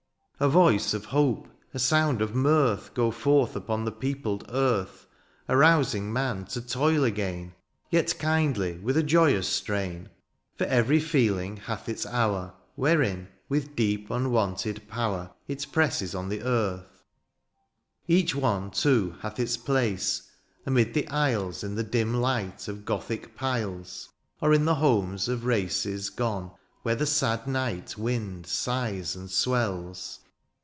A voice of hope, a sound of mirth. Go forth upon the peopled earth. Arousing man to toil again, Tet kindly, with a joyous strain. For every feeling hath its hour. Wherein, with deep unwonted power. It presses on the heart — each one. Too, hath its place — amid the aisles In the dim light of Gothic piles. Or in the homes of races gone Where the sad night wind sighs and swells.